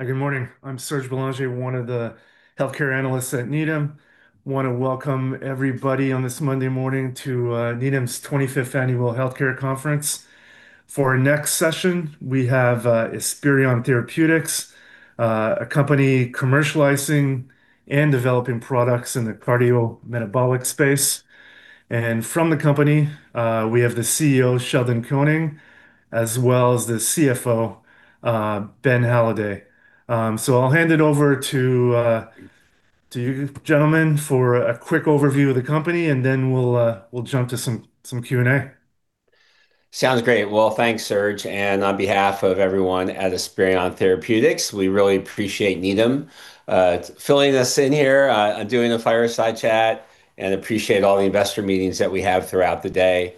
Hi, good morning. I'm Serge Belanger, one of the Healthcare Analysts at Needham. I want to welcome everybody on this Monday morning to Needham's 25th Annual Healthcare Conference. For our next session, we have Esperion Therapeutics, a company commercializing and developing products in the cardiometabolic space. From the company, we have the CEO, Sheldon Koenig, as well as the CFO, Ben Halladay. I'll hand it over to you gentlemen for a quick overview of the company, and then we'll jump to some Q&A. Sounds great. Well, thanks, Serge, and on behalf of everyone at Esperion Therapeutics, we really appreciate Needham filling us in here, doing a fireside chat, and appreciate all the investor meetings that we have throughout the day.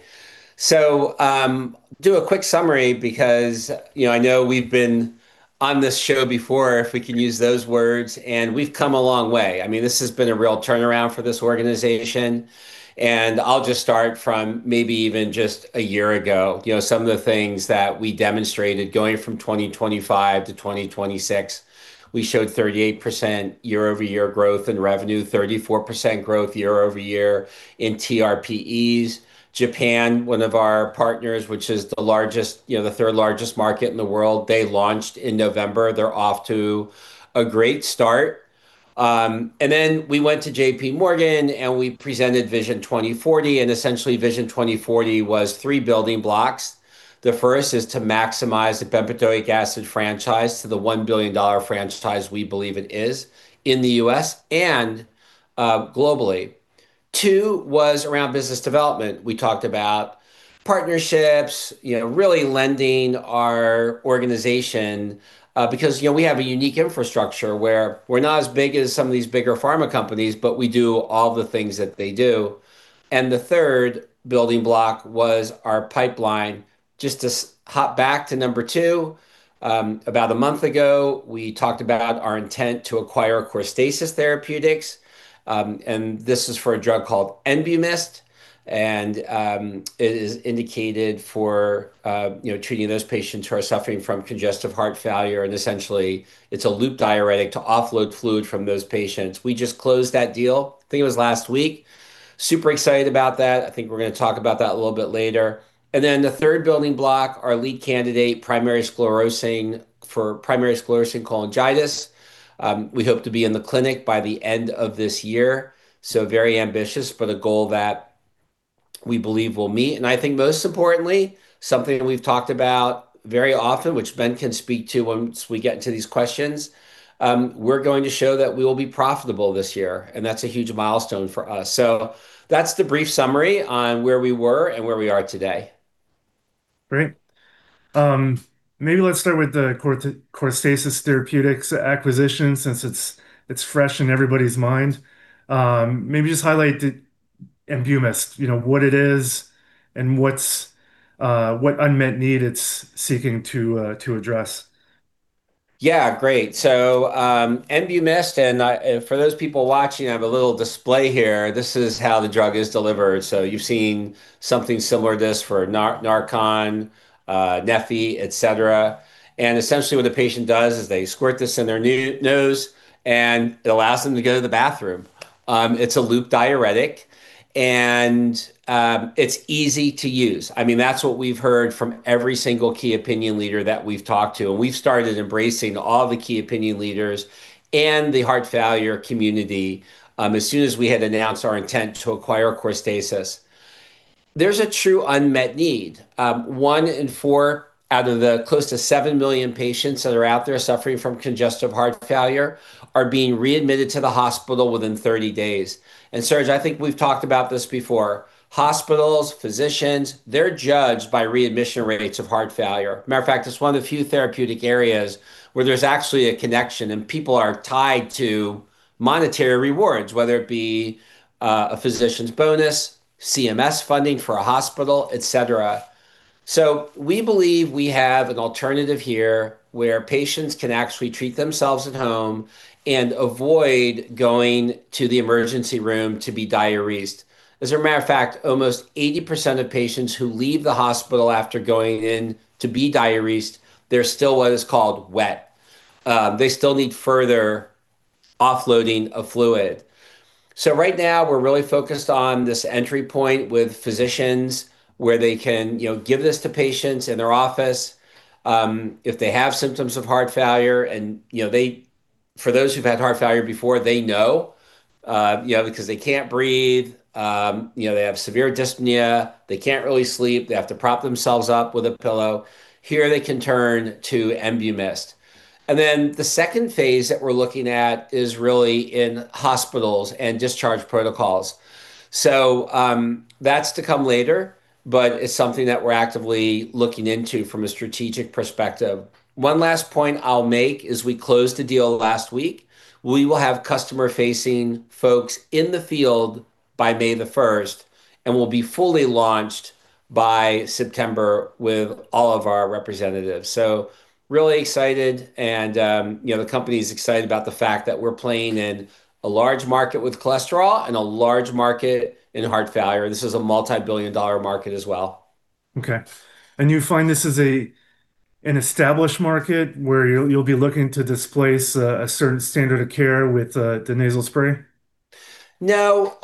Do a quick summary because I know we've been on this show before, if we can use those words, and we've come a long way. This has been a real turnaround for this organization, and I'll just start from maybe even just a year ago. Some of the things that we demonstrated going from 2025-2026, we showed 38% year-over-year growth in revenue, 34% growth year-over-year in TRPEs. Japan, one of our partners, which is the third largest market in the world, they launched in November. They're off to a great start. We went to JPMorgan, and we presented Vision 2040, and essentially, Vision 2040 was three building blocks. The first is to maximize the bempedoic acid franchise to the $1 billion franchise we believe it is in the U.S. and globally. Two was around business development. We talked about partnerships, really lending our organization. Because we have a unique infrastructure where we're not as big as some of these bigger pharma companies, but we do all the things that they do. The third building block was our pipeline. Just to hop back to number two, about a month ago, we talked about our intent to acquire Corstasis Therapeutics, and this is for a drug called Enbumyst, and it is indicated for treating those patients who are suffering from congestive heart failure, and essentially it's a loop diuretic to offload fluid from those patients. We just closed that deal, I think it was last week. Super excited about that. I think we're going to talk about that a little bit later. And then the third building block, our lead candidate, primary sclerosing for primary sclerosing cholangitis. We hope to be in the clinic by the end of this year, so very ambitious, but a goal that we believe we'll meet. And I think most importantly, something we've talked about very often, which Ben can speak to once we get to these questions, we're going to show that we will be profitable this year, and that's a huge milestone for us. So that's the brief summary on where we were and where we are today. Great. Maybe let's start with the Corstasis Therapeutics acquisition, since it's fresh in everybody's mind. Maybe just highlight Enbumyst, what it is and what unmet need it's seeking to address. Yeah. Great. Enbumyst, for those people watching, I have a little display here. This is how the drug is delivered. You've seen something similar to this for NARCAN, neffy, et cetera. Essentially what the patient does is they squirt this in their nose, and it allows them to go to the bathroom. It's a loop diuretic, and it's easy to use. That's what we've heard from every single key opinion leader that we've talked to, and we've started embracing all the key opinion leaders and the heart failure community as soon as we had announced our intent to acquire Corstasis. There's a true unmet need. One in four out of the close to 7 million patients that are out there suffering from congestive heart failure are being readmitted to the hospital within 30 days. Serge, I think we've talked about this before. Hospitals, physicians, they're judged by readmission rates of heart failure. Matter of fact, it's one of the few therapeutic areas where there's actually a connection, and people are tied to monetary rewards, whether it be a physician's bonus, CMS funding for a hospital, et cetera. We believe we have an alternative here where patients can actually treat themselves at home and avoid going to the emergency room to be diuresed. As a matter of fact, almost 80% of patients who leave the hospital after going in to be diuresed, they're still what is called wet. They still need further offloading of fluid. Right now we're really focused on this entry point with physicians where they can give this to patients in their office if they have symptoms of heart failure. For those who've had heart failure before, they know because they can't breathe, they have severe dyspnea, they can't really sleep, they have to prop themselves up with a pillow. Here they can turn to Enbumyst. The second phase that we're looking at is really in hospitals and discharge protocols. That's to come later, but it's something that we're actively looking into from a strategic perspective. One last point I'll make is we closed the deal last week. We will have customer-facing folks in the field by May the 1st and will be fully launched by September with all of our representatives. Really excited, and the company's excited about the fact that we're playing in a large market with cholesterol and a large market in heart failure. This is a multi-billion-dollar market as well. Okay. You find this as an established market where you'll be looking to displace a certain standard of care with the nasal spray? No.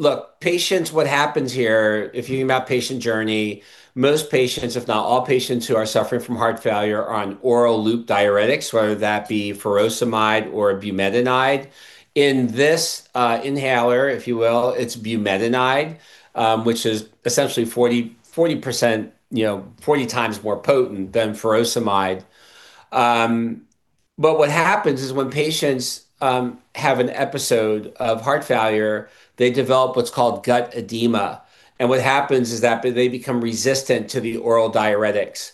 Look, patients, what happens here, if you think about patient journey, most patients, if not all patients who are suffering from heart failure, are on oral loop diuretics, whether that be furosemide or bumetanide. In this inhaler, if you will, it's bumetanide, which is essentially 40x more potent than furosemide. What happens is when patients have an episode of heart failure, they develop what's called gut edema. What happens is that they become resistant to the oral diuretics.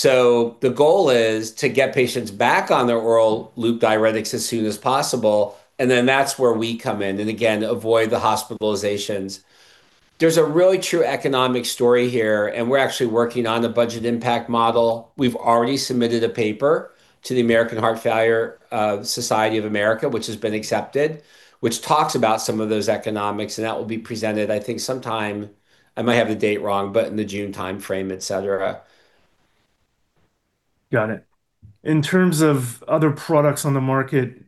The goal is to get patients back on their oral loop diuretics as soon as possible, and then that's where we come in, and again, avoid the hospitalizations. There's a really true economic story here, and we're actually working on the budget impact model. We've already submitted a paper to the American Heart Failure Society of America, which has been accepted, which talks about some of those economics, and that will be presented, I think sometime, I might have the date wrong, but in the June timeframe, et cetera. Got it. In terms of other products on the market,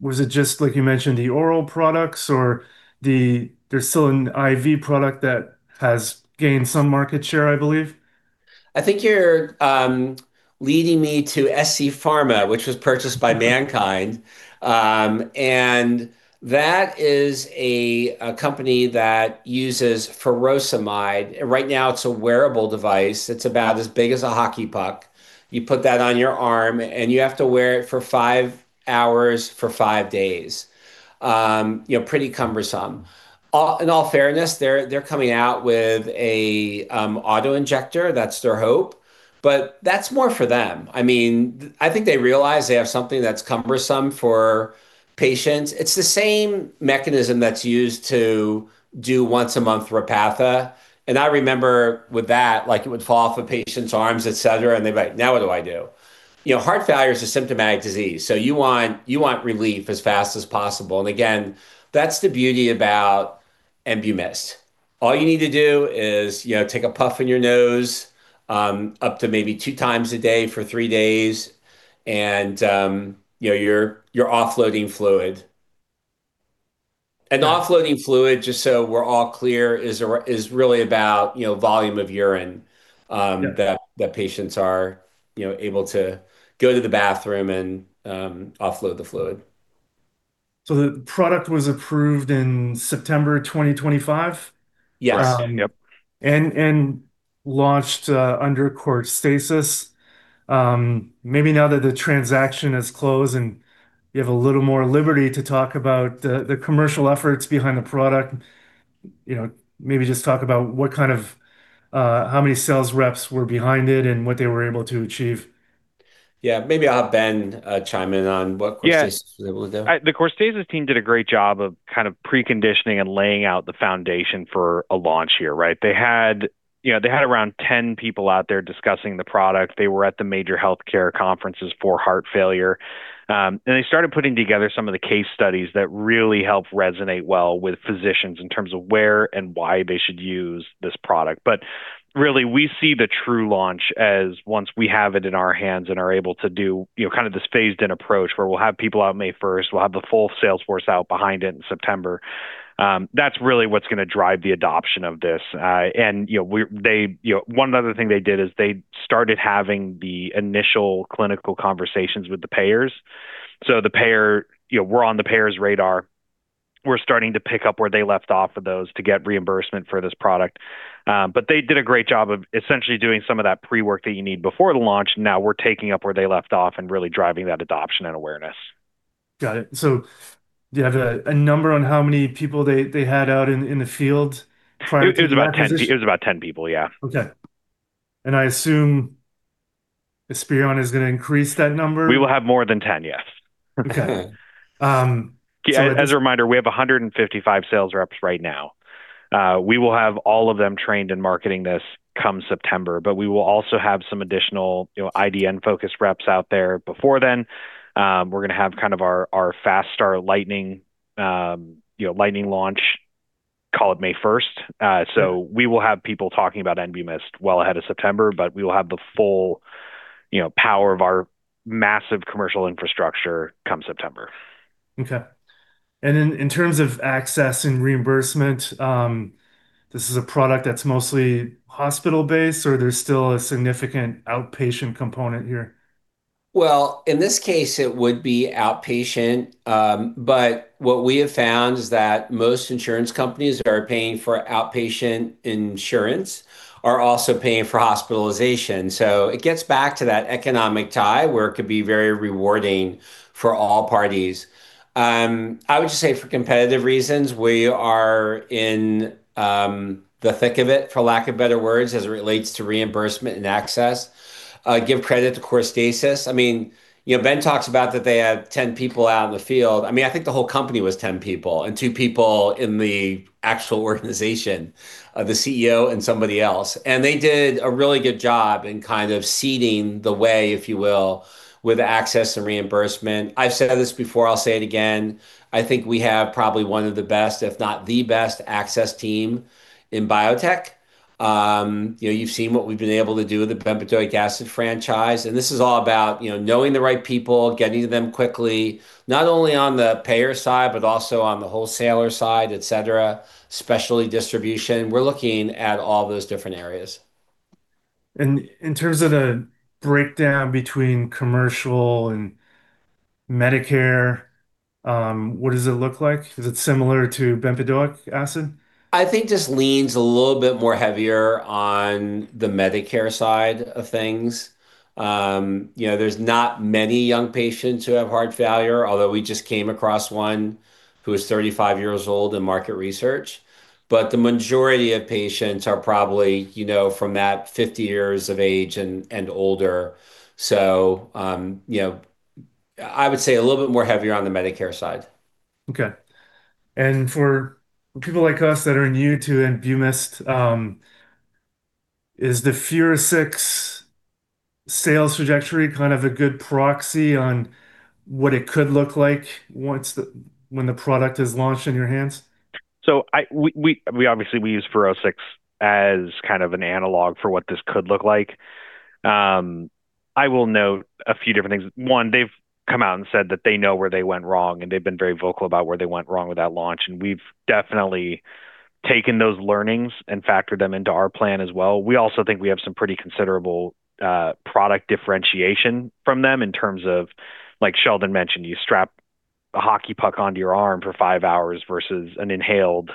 was it just, like you mentioned, the oral products, or there's still an IV product that has gained some market share, I believe? I think you're leading me to scPharmaceuticals, which was purchased by MannKind, and that is a company that uses furosemide. Right now it's a wearable device. It's about as big as a hockey puck. You put that on your arm, and you have to wear it for five hours for five days. Pretty cumbersome. In all fairness, they're coming out with a auto-injector. That's their hope, but that's more for them. I think they realize they have something that's cumbersome for patients. It's the same mechanism that's used to do once-a-month Repatha, and I remember with that, it would fall off a patient's arms, et cetera, and they'd be like, "Now what do I do?" Heart failure is a symptomatic disease, so you want relief as fast as possible. Again, that's the beauty about Enbumyst. All you need to do is take a puff in your nose up to maybe 2x a day for three days, and you're offloading fluid. Offloading fluid, just so we're all clear, is really about volume of urine that patients are able to go to the bathroom and offload the fluid. The product was approved in September 2025? Yes. Yep. Launched under Corstasis. Maybe now that the transaction is closed and you have a little more liberty to talk about the commercial efforts behind the product, maybe just talk about how many sales reps were behind it and what they were able to achieve. Yeah. Maybe I'll have Ben chime in on what Corstasis was able to do. The Corstasis team did a great job of preconditioning and laying out the foundation for a launch here, right? They had around 10 people out there discussing the product. They were at the major healthcare conferences for heart failure. They started putting together some of the case studies that really helped resonate well with physicians in terms of where and why they should use this product. Really, we see the true launch as once we have it in our hands and are able to do this phased-in approach where we'll have people out May 1st. We'll have the full sales force out behind it in September. That's really what's going to drive the adoption of this. One other thing they did is they started having the initial clinical conversations with the payers. We're on the payer's radar. We're starting to pick up where they left off of those to get reimbursement for this product. They did a great job of essentially doing some of that pre-work that you need before the launch. Now we're taking up where they left off and really driving that adoption and awareness. Got it. Do you have a number on how many people they had out in the field trying to do that position? It was about 10 people, yeah. Okay. I assume Esperion is going to increase that number? We will have more than 10, yes. Okay. As a reminder, we have 155 sales reps right now. We will have all of them trained and marketing this come September, but we will also have some additional IDN-focused reps out there before then. We're going to have our fast star lightning launch, call it May 1st. We will have people talking about Enbumyst well ahead of September, but we will have the full power of our massive commercial infrastructure come September. Okay. In terms of access and reimbursement, this is a product that's mostly hospital-based, or there's still a significant outpatient component here? Well, in this case, it would be outpatient. What we have found is that most insurance companies that are paying for outpatient insurance are also paying for hospitalization. It gets back to that economic tie, where it could be very rewarding for all parties. I would just say for competitive reasons, we are in the thick of it, for lack of better words, as it relates to reimbursement and access. Give credit to Corstasis. Ben talks about that they had 10 people out in the field. I think the whole company was 10 people, and two people in the actual organization, the CEO and somebody else. They did a really good job in seeding the way, if you will, with access and reimbursement. I've said this before, I'll say it again, I think we have probably one of the best, if not the best, access team in biotech. You've seen what we've been able to do with the bempedoic acid franchise, and this is all about knowing the right people, getting to them quickly, not only on the payer side, but also on the wholesaler side, et cetera, specialty distribution. We're looking at all those different areas. In terms of the breakdown between commercial and Medicare, what does it look like? Is it similar to bempedoic acid? I think just leans a little bit more heavier on the Medicare side of things. There's not many young patients who have heart failure, although we just came across one who is 35 years old in market research. The majority of patients are probably from that 50 years of age and older. I would say a little bit more heavier on the Medicare side. Okay. For people like us that are new to Enbumyst, is the FUROSCIX sales trajectory kind of a good proxy on what it could look like when the product is launched in your hands? Obviously we use FUROSCIX as kind of an analog for what this could look like. I will note a few different things. One, they've come out and said that they know where they went wrong, and they've been very vocal about where they went wrong with that launch, and we've definitely taken those learnings and factored them into our plan as well. We also think we have some pretty considerable product differentiation from them in terms of, like Sheldon mentioned, you strap a hockey puck onto your arm for five hours versus an inhaled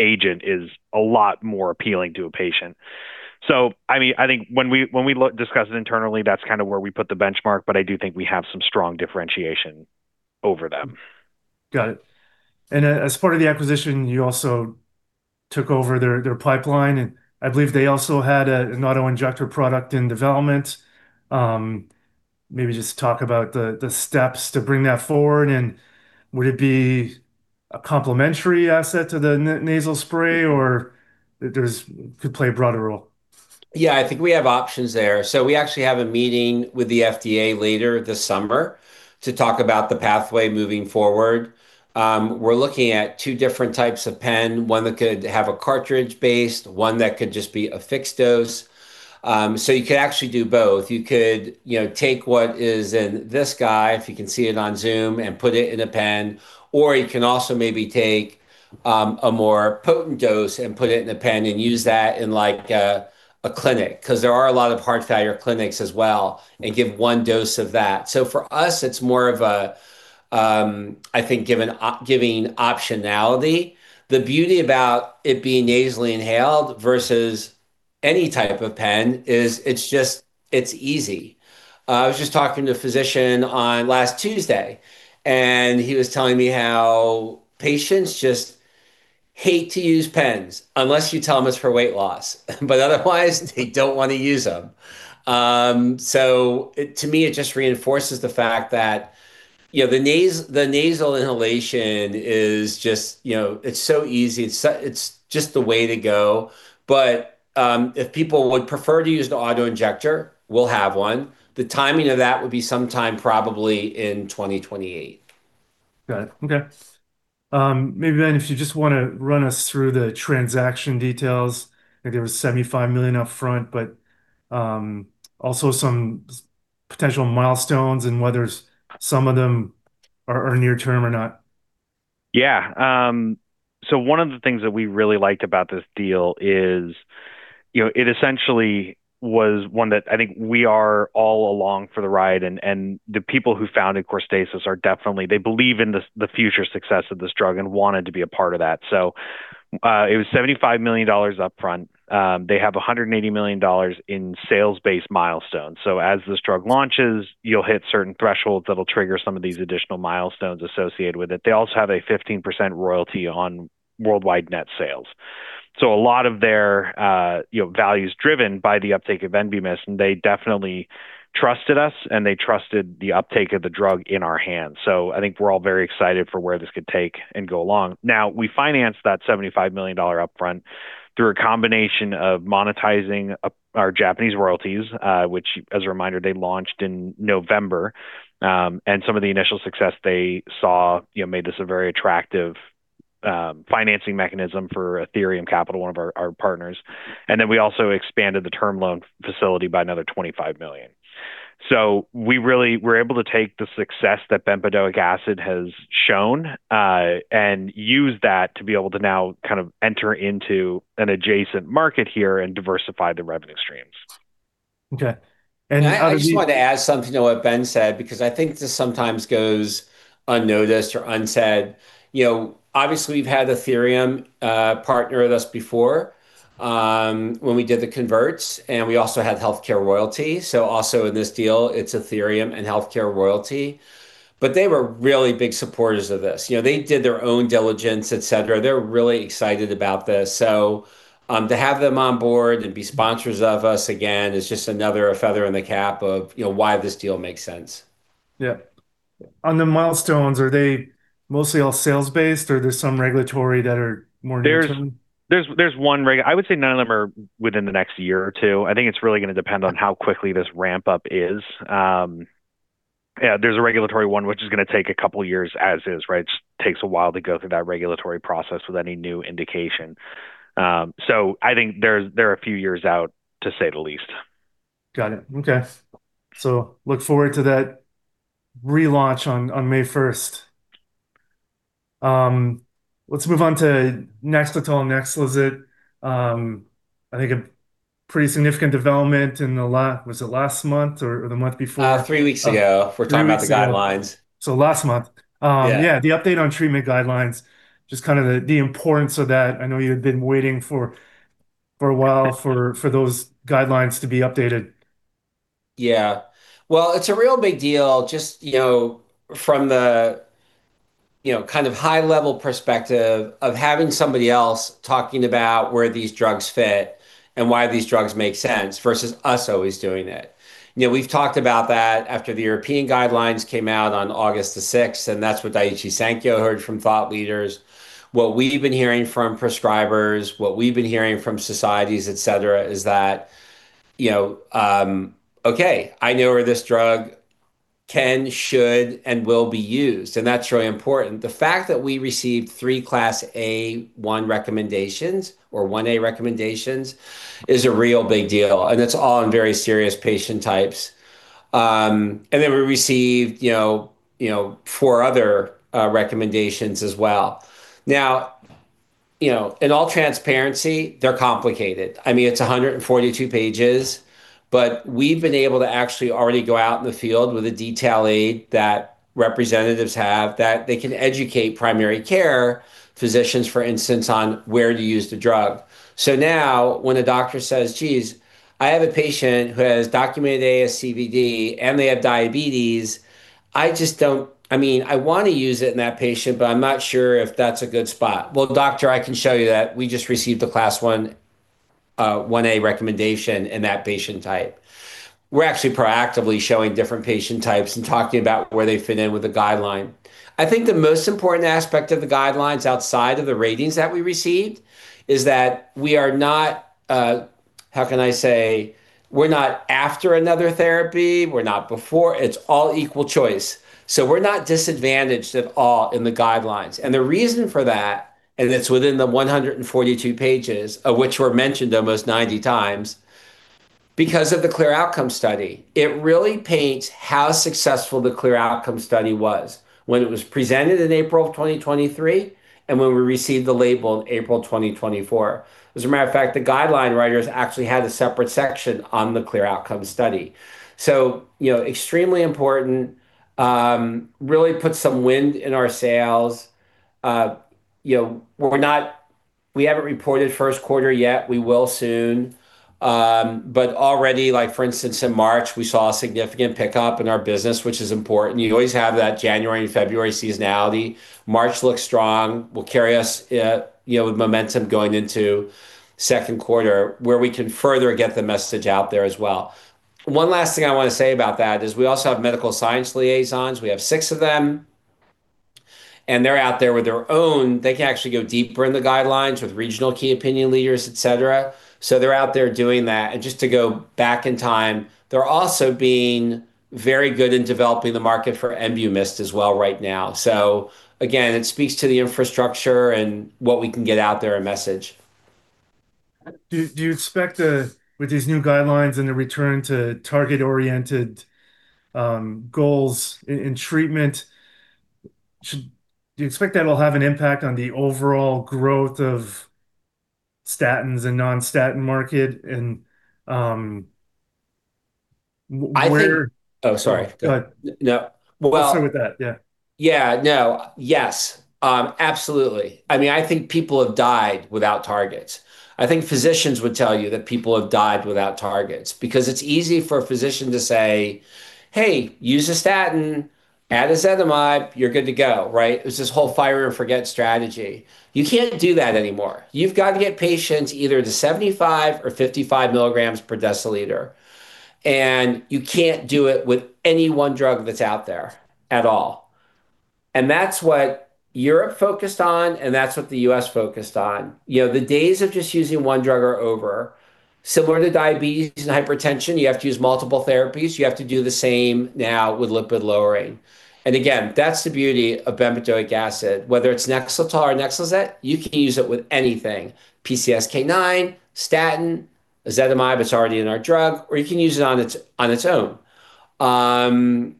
agent is a lot more appealing to a patient. I think when we discuss it internally, that's kind of where we put the benchmark, but I do think we have some strong differentiation over them. Got it. As part of the acquisition, you also took over their pipeline, and I believe they also had an auto-injector product in development. Maybe just talk about the steps to bring that forward, and would it be a complementary asset to the nasal spray, or could play a broader role? Yeah, I think we have options there. We actually have a meeting with the FDA later this summer to talk about the pathway moving forward. We're looking at two different types of pen, one that could have a cartridge-based, one that could just be a fixed dose. You could actually do both. You could take what is in this guy, if you can see it on Zoom, and put it in a pen, or you can also maybe take a more potent dose and put it in a pen and use that in a clinic, because there are a lot of heart failure clinics as well, and give one dose of that. For us, it's more of a, I think, giving optionality. The beauty about it being nasally inhaled versus any type of pen is it's just easy. I was just talking to a physician on last Tuesday, and he was telling me how patients just hate to use pens unless you tell them it's for weight loss. Otherwise, they don't want to use them. To me, it just reinforces the fact that the nasal inhalation, it's so easy. It's just the way to go. If people would prefer to use the auto-injector, we'll have one. The timing of that would be sometime probably in 2028. Got it. Okay. Maybe then if you just want to run us through the transaction details. I think there was $75 million upfront, but also some potential milestones and whether some of them are near term or not. Yeah. One of the things that we really liked about this deal is it essentially was one that I think we are all along for the ride, and the people who founded Corstasis are definitely, they believe in the future success of this drug and wanted to be a part of that. It was $75 million upfront. They have $180 million in sales-based milestones. As this drug launches, you'll hit certain thresholds that'll trigger some of these additional milestones associated with it. They also have a 15% royalty on worldwide net sales. A lot of their value's driven by the uptake of Enbumyst, and they definitely trusted us, and they trusted the uptake of the drug in our hands. I think we're all very excited for where this could take and go along. Now, we financed that $75 million upfront through a combination of monetizing our Japanese royalties, which, as a reminder, they launched in November. Some of the initial success they saw made this a very attractive financing mechanism for Athyrium Capital, one of our partners. We also expanded the term loan facility by another $25 million. We really were able to take the success that bempedoic acid has shown and use that to be able to now kind of enter into an adjacent market here and diversify the revenue streams. Okay. How do you? I just want to add something to what Ben said, because I think this sometimes goes unnoticed or unsaid. Obviously we've had Athyrium partner with us before, when we did the converts, and we also had HealthCare Royalty. Also in this deal, it's Athyrium and HealthCare Royalty, but they were really big supporters of this. They did their own diligence, et cetera. They're really excited about this, so to have them on board and be sponsors of us again is just another feather in the cap of why this deal makes sense. Yeah. On the milestones, are they mostly all sales-based, or there's some regulatory that are more near-term? I would say none of them are within the next year or two. I think it's really going to depend on how quickly this ramp up is. Yeah, there's a regulatory one which is going to take a couple of years as is, right? It takes a while to go through that regulatory process with any new indication. I think they're a few years out, to say the least. Got it. Okay. Look forward to that relaunch on May 1st. Let's move on to NEXLETOL and NEXLIZET. I think a pretty significant development in the last, was it last month or the month before? Three weeks ago. We're talking about the guidelines. Last month. Yeah. Yeah, the update on treatment guidelines, just the importance of that, I know you had been waiting for a while for those guidelines to be updated. Yeah. Well, it's a real big deal just from the high-level perspective of having somebody else talking about where these drugs fit and why these drugs make sense, versus us always doing it. We've talked about that after the European guidelines came out on August 6th, and that's what Daiichi Sankyo heard from thought leaders. What we've been hearing from prescribers, what we've been hearing from societies, et cetera, is that, okay, I know where this drug can, should, and will be used, and that's really important. The fact that we received three Class A1 recommendations or 1A recommendations is a real big deal, and it's all in very serious patient types. We received four other recommendations as well. Now, in all transparency, they're complicated. It's 142 pages, but we've been able to actually already go out in the field with a detail aid that representatives have that they can educate primary care physicians, for instance, on where to use the drug. Now when a doctor says, Geez, I have a patient who has documented ASCVD, and they have diabetes. I want to use it in that patient, but I'm not sure if that's a good spot. Well, Doctor, I can show you that we just received a Class 1A recommendation in that patient type. We're actually proactively showing different patient types and talking about where they fit in with the guideline. I think the most important aspect of the guidelines outside of the ratings that we received is that we are not, how can I say, we're not after another therapy, we're not before. It's all equal choice, so we're not disadvantaged at all in the guidelines. The reason for that, and it's within the 142 pages, of which we're mentioned almost 90 times, because of the CLEAR Outcomes study. It really paints how successful the CLEAR Outcomes study was when it was presented in April of 2023, and when we received the label in April 2024. As a matter of fact, the guideline writers actually had a separate section on the CLEAR Outcomes study, so extremely important, really put some wind in our sails. We haven't reported first quarter yet. We will soon. Already, like for instance, in March, we saw a significant pickup in our business, which is important. You always have that January and February seasonality. March looks strong, will carry us with momentum going into second quarter, where we can further get the message out there as well. One last thing I want to say about that is we also have medical science liaisons. We have six of them, and they're out there. They can actually go deeper in the guidelines with regional key opinion leaders, et cetera. They're out there doing that. Just to go back in time, they're also being very good in developing the market for Enbumyst as well right now. Again, it speaks to the infrastructure and what we can get out there in message. With these new guidelines and the return to target-oriented goals in treatment, do you expect that'll have an impact on the overall growth of statins and non-statin market? Go ahead. No. Well. Continue with that. Yeah. Yeah, no. Yes. Absolutely. I think people have died without targets. I think physicians would tell you that people have died without targets because it's easy for a physician to say, "Hey, use a statin, add ezetimibe, you're good to go," right? There's this whole fire and forget strategy. You can't do that anymore. You've got to get patients either to 75 or 55 mg per deciliter, and you can't do it with any one drug that's out there at all. That's what Europe focused on, and that's what the U.S. focused on. The days of just using one drug are over. Similar to diabetes and hypertension, you have to use multiple therapies. You have to do the same now with lipid lowering. And again, that's the beauty of bempedoic acid, whether it's NEXLETOL or NEXLIZET, you can use it with anything, PCSK9, statin, ezetimibe is already in our drug, or you can use it on its own. And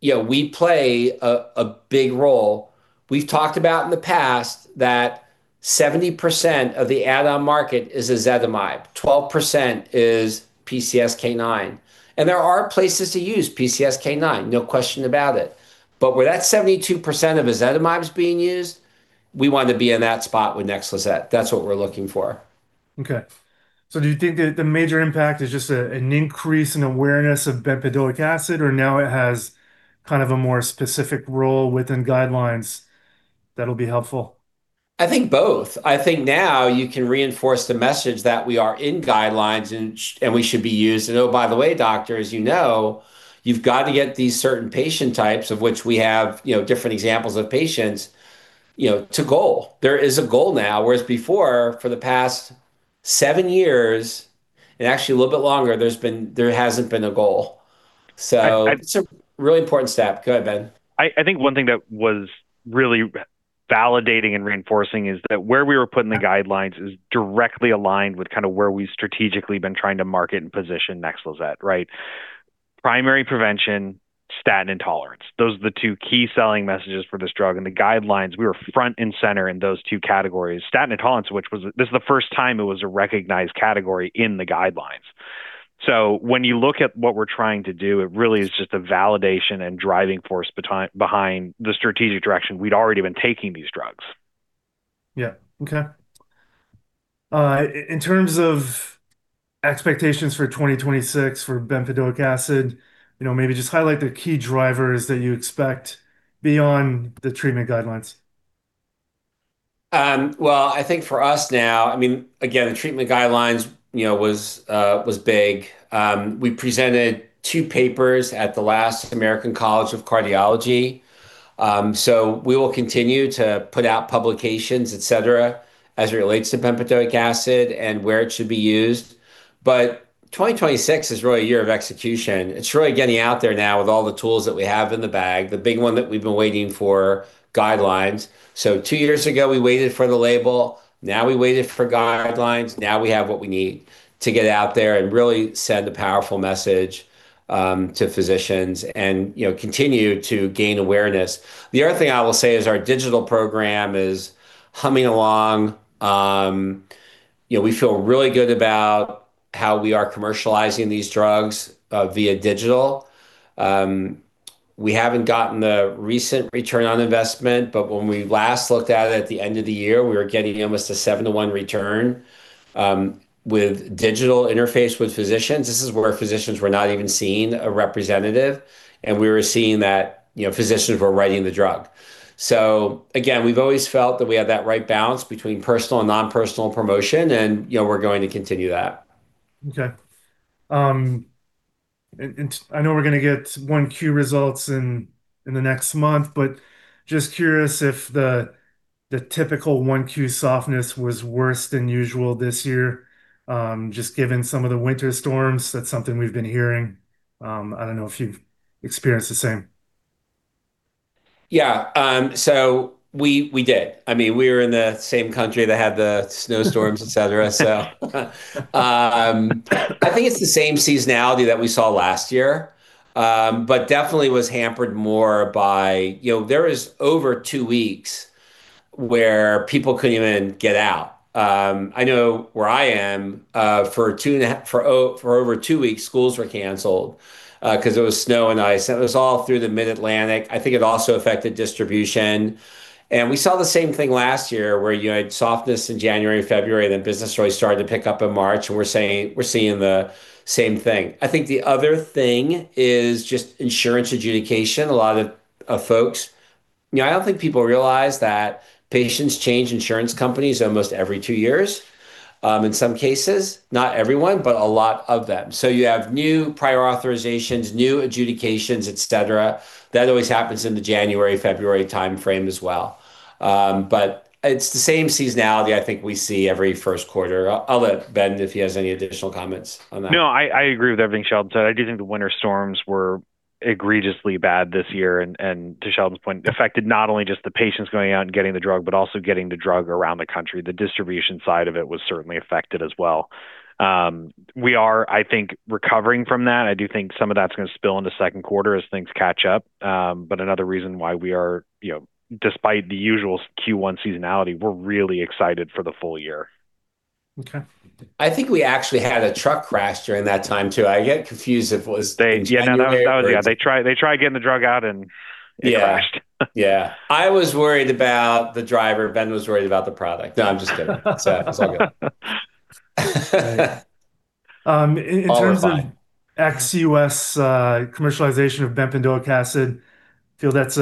we play a big role. We've talked about in the past that 70% of the add-on market is ezetimibe, 12% is PCSK9, and there are places to use PCSK9, no question about it. But where that 72% of ezetimibe is being used, we want to be in that spot with NEXLIZET. That's what we're looking for. Okay. Do you think that the major impact is just an increase in awareness of bempedoic acid, or now it has kind of a more specific role within guidelines that'll be helpful? I think both. I think now you can reinforce the message that we are in guidelines and we should be used. Oh, by the way, doctors, you know, you've got to get these certain patient types of which we have different examples of patients to goal. There is a goal now, whereas before, for the past seven years, and actually a little bit longer, there hasn't been a goal. It's a really important step. Go ahead, Ben. I think one thing that was really revalidating and reinforcing is that where we were putting the guidelines is directly aligned with kind of where we've strategically been trying to market and position NEXLIZET, right? Primary prevention, statin intolerance. Those are the two key selling messages for this drug. The guidelines, we were front and center in those two categories. Statin intolerance, this is the first time it was a recognized category in the guidelines. When you look at what we're trying to do, it really is just a validation and driving force behind the strategic direction we'd already been taking these drugs. Yeah. Okay. In terms of expectations for 2026 for bempedoic acid, maybe just highlight the key drivers that you expect beyond the treatment guidelines. Well, I think for us now, again, the treatment guidelines was big. We presented two papers at the last American College of Cardiology. We will continue to put out publications, et cetera, as it relates to bempedoic acid and where it should be used. 2026 is really a year of execution. It's really getting out there now with all the tools that we have in the bag, the big one that we've been waiting for, guidelines. Two years ago, we waited for the label. Now we waited for guidelines. Now we have what we need to get out there and really send a powerful message to physicians and continue to gain awareness. The other thing I will say is our digital program is humming along. We feel really good about how we are commercializing these drugs via digital. We haven't gotten the recent return on investment, but when we last looked at it at the end of the year, we were getting almost a 7/1 return with digital interface with physicians. This is where physicians were not even seeing a representative, and we were seeing that physicians were writing the drug. Again, we've always felt that we have that right balance between personal and non-personal promotion, and we're going to continue that. Okay. I know we're going to get 1Q results in the next month, but just curious if the typical 1Q softness was worse than usual this year, just given some of the winter storms. That's something we've been hearing. I don't know if you've experienced the same. Yeah. We did. We were in the same country that had the snowstorms, et cetera. I think it's the same seasonality that we saw last year. Definitely was hampered more by there was over two weeks where people couldn't even get out. I know where I am, for over two weeks, schools were canceled because there was snow and ice. It was all through the Mid-Atlantic. I think it also affected distribution, and we saw the same thing last year where you had softness in January and February, then business really started to pick up in March, and we're seeing the same thing. I think the other thing is just insurance adjudication. I don't think people realize that patients change insurance companies almost every two years, in some cases. Not everyone, but a lot of them. You have new prior authorizations, new adjudications, et cetera. That always happens in the January, February timeframe as well. It's the same seasonality I think we see every first quarter. I'll let Ben, if he has any additional comments on that. No, I agree with everything Sheldon said. I do think the winter storms were egregiously bad this year and, to Sheldon's point, affected not only just the patients going out and getting the drug, but also getting the drug around the country. The distribution side of it was certainly affected as well. We are, I think, recovering from that. I do think some of that's going to spill into second quarter as things catch up. Another reason why, despite the usual Q1 seasonality, we're really excited for the full-year. Okay. I think we actually had a drug launch during that time, too. I get confused if it was January. They did. No, that was it. Yeah, they tried getting the drug out, and it crashed. Yeah. I was worried about the driver. Ben was worried about the product. No, I'm just kidding. It's all good. In terms of ex-U.S. commercialization of bempedoic acid, I feel that's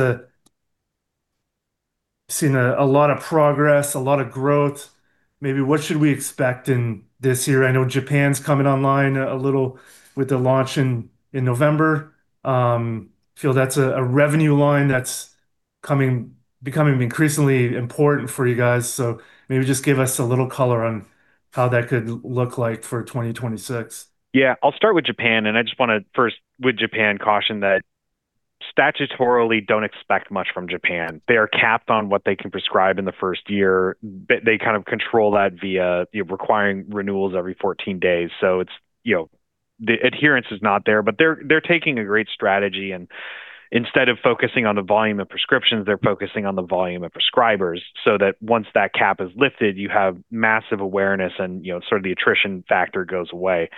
seen a lot of progress, a lot of growth. Maybe what should we expect in this year? I know Japan's coming online a little with the launch in November. I feel that's a revenue line that's becoming increasingly important for you guys. Maybe just give us a little color on how that could look like for 2026. Yeah. I'll start with Japan. I just want to first, with Japan, caution that statutorily, don't expect much from Japan. They are capped on what they can prescribe in the first year, but they kind of control that via requiring renewals every 14 days. The adherence is not there, but they're taking a great strategy, and instead of focusing on the volume of prescriptions, they're focusing on the volume of prescribers so that once that cap is lifted, you have massive awareness and sort of the attrition factor goes away.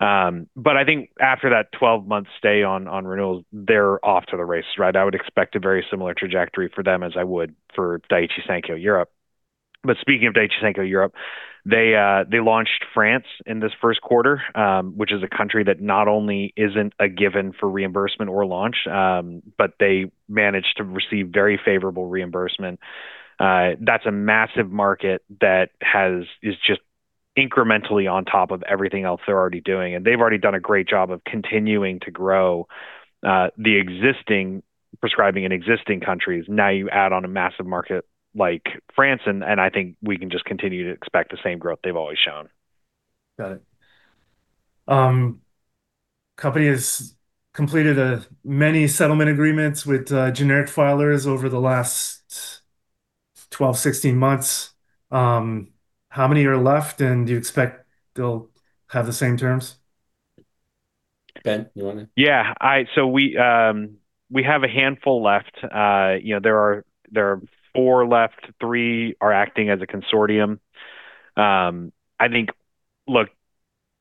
I think after that 12-month stay on renewals, they're off to the races, right? I would expect a very similar trajectory for them as I would for Daiichi Sankyo Europe. Speaking of Daiichi Sankyo Europe, they launched France in this first quarter, which is a country that not only isn't a given for reimbursement or launch, but they managed to receive very favorable reimbursement. That's a massive market that is just incrementally on top of everything else they're already doing, and they've already done a great job of continuing to grow the existing prescribing in existing countries. Now you add on a massive market like France, and I think we can just continue to expect the same growth they've always shown. Got it. The Company has completed many settlement agreements with generic filers over the last 12 months-16 months. How many are left? Do you expect they'll have the same terms? Ben, you want to? Yeah. We have a handful left. There are four left. Three are acting as a consortium. Look,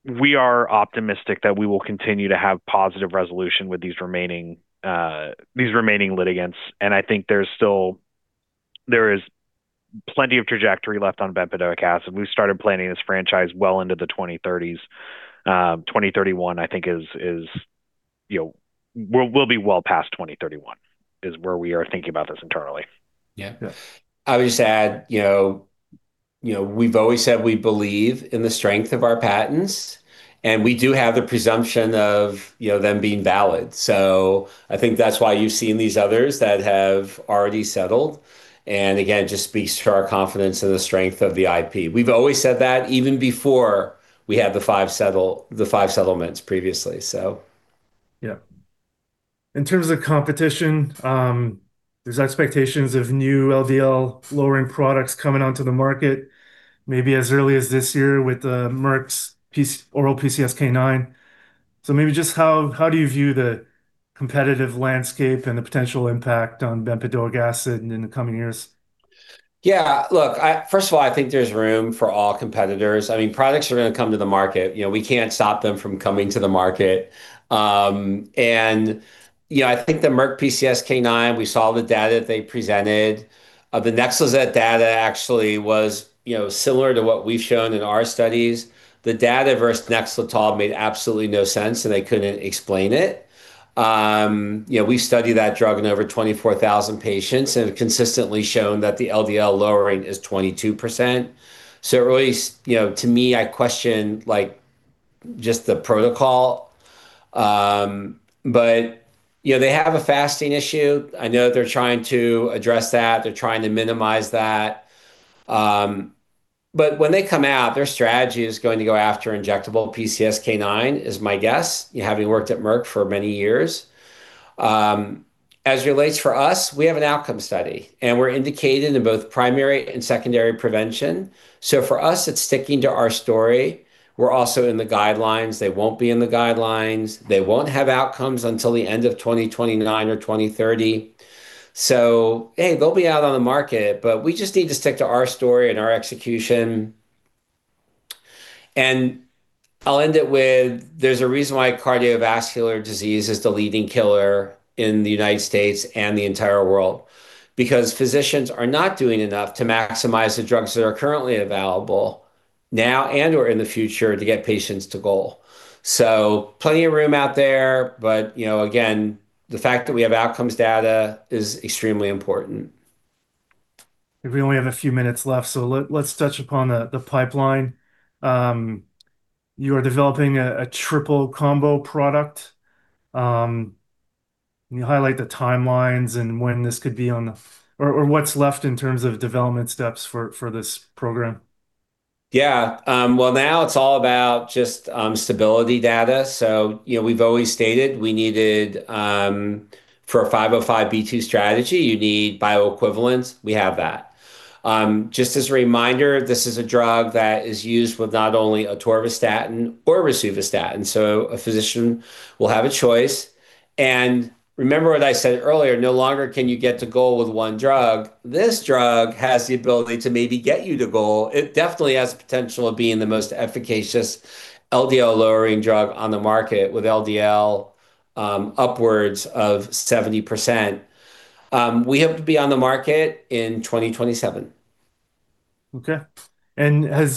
we are optimistic that we will continue to have positive resolution with these remaining litigants, and I think there is plenty of trajectory left on bempedoic acid. We started planning this franchise well into the 2030s. We'll be well past 2031, is where we are thinking about this internally. Yeah. I would just add, we've always said we believe in the strength of our patents, and we do have the presumption of them being valid. I think that's why you've seen these others that have already settled, and again, it just speaks to our confidence in the strength of the IP. We've always said that even before we had the five settlements previously. Yeah. In terms of competition, there's expectations of new LDL lowering products coming onto the market maybe as early as this year with Merck's oral PCSK9. Maybe just how do you view the competitive landscape and the potential impact on bempedoic acid in the coming years? Yeah. Look, first of all, I think there's room for all competitors. Products are going to come to the market. We can't stop them from coming to the market. I think the Merck PCSK9, we saw the data that they presented. The NEXLETOL data actually was similar to what we've shown in our studies. The data versus NEXLETOL made absolutely no sense, and they couldn't explain it. We studied that drug in over 24,000 patients and have consistently shown that the LDL lowering is 22%. Really, to me, I question just the protocol. They have a fasting issue. I know they're trying to address that. They're trying to minimize that. When they come out, their strategy is going to go after injectable PCSK9, is my guess, having worked at Merck for many years. As relates for us, we have an outcome study, and we're indicated in both primary and secondary prevention. For us, it's sticking to our story. We're also in the guidelines. They won't be in the guidelines. They won't have outcomes until the end of 2029 or 2030. They'll be out on the market, but we just need to stick to our story and our execution. I'll end it with, there's a reason why cardiovascular disease is the leading killer in the United States and the entire world, because physicians are not doing enough to maximize the drugs that are currently available now and/or in the future to get patients to goal. Plenty of room out there, but again, the fact that we have outcomes data is extremely important. We only have a few minutes left, so let's touch upon the pipeline. You are developing a triple combo product. Can you highlight the timelines and what's left in terms of development steps for this program? Yeah. Well, now it's all about just stability data. We've always stated for a 505(b)(2) strategy, you need bioequivalence. We have that. Just as a reminder, this is a drug that is used with not only atorvastatin or rosuvastatin, so a physician will have a choice. Remember what I said earlier, no longer can you get to goal with one drug. This drug has the ability to maybe get you to goal. It definitely has potential of being the most efficacious LDL-lowering drug on the market with LDL upwards of 70%. We hope to be on the market in 2027. Okay. Your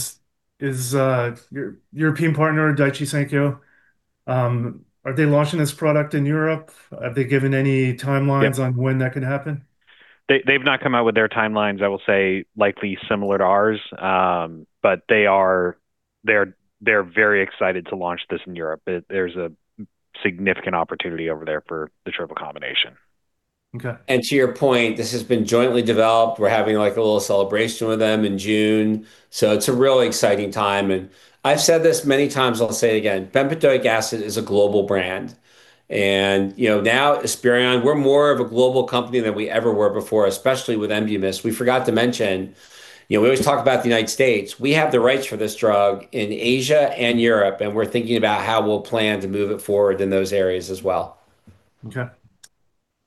European partner, Daiichi Sankyo, are they launching this product in Europe? Have they given any timelines? On when that can happen? They've not come out with their timelines. I will say likely similar to ours, but they're very excited to launch this in Europe. There's a significant opportunity over there for the triple combination. Okay. To your point, this has been jointly developed. We're having a little celebration with them in June, so it's a real exciting time. I've said this many times, I'll say it again, bempedoic acid is a global brand. Now Esperion, we're more of a global company than we ever were before, especially with Enbumyst. We forgot to mention, we always talk about the United States. We have the rights for this drug in Asia and Europe, and we're thinking about how we'll plan to move it forward in those areas as well. Okay.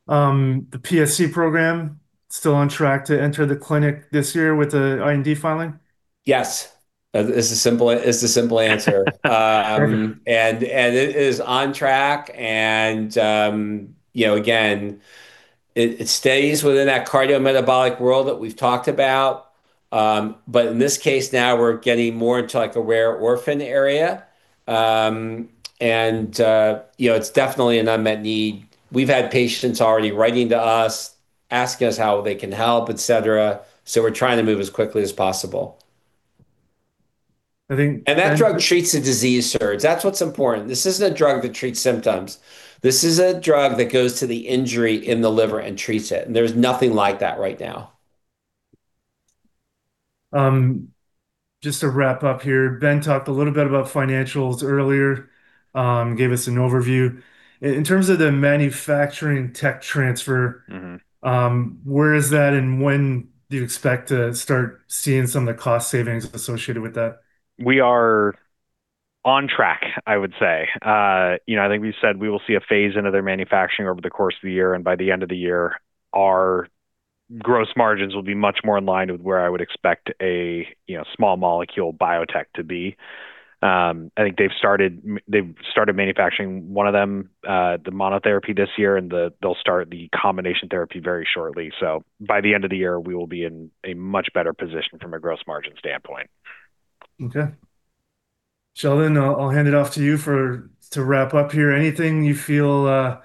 The PSC program still on track to enter the clinic this year with the IND filing? Yes is the simple answer. It is on track and, again, it stays within that cardiometabolic world that we've talked about. In this case, now we're getting more into a rare orphan area. It's definitely an unmet need. We've had patients already writing to us, asking us how they can help, et cetera, so we're trying to move as quickly as possible. I think. That drug treats the disease, Serge. That's what's important. This isn't a drug that treats symptoms. This is a drug that goes to the injury in the liver and treats it, and there's nothing like that right now. Just to wrap up here, Ben talked a little bit about financials earlier, gave us an overview. In terms of the manufacturing tech transfer. Where is that, and when do you expect to start seeing some of the cost savings associated with that? We are on track, I would say. I think we've said we will see a phase into their manufacturing over the course of the year, and by the end of the year, our gross margins will be much more in line with where I would expect a small molecule biotech to be. I think they've started manufacturing one of them, the monotherapy, this year, and they'll start the combination therapy very shortly. By the end of the year, we will be in a much better position from a gross margin standpoint. Okay. Sheldon, I'll hand it off to you to wrap up here. Anything you feel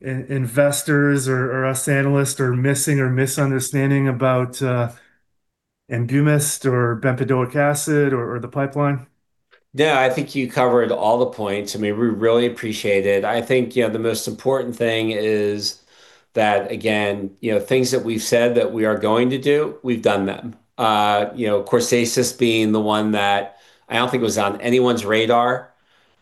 investors or us analysts are missing or misunderstanding about Enbumyst or bempedoic acid or the pipeline? No, I think you covered all the points, and we really appreciate it. I think the most important thing is that, again, things that we've said that we are going to do, we've done them. Corstasis being the one that I don't think was on anyone's radar,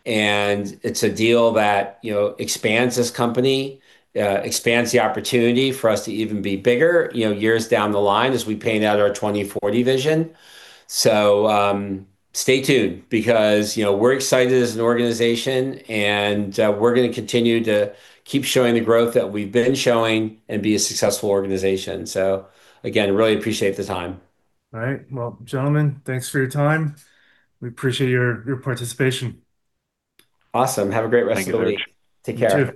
and it's a deal that expands this company, expands the opportunity for us to even be bigger years down the line as we paint out our 2040 Vision. Stay tuned because we're excited as an organization, and we're going to continue to keep showing the growth that we've been showing and be a successful organization. Again, we really appreciate the time. All right. Well, gentlemen, thanks for your time. We appreciate your participation. Awesome. Have a great rest of the week. Thank you very much. Take care.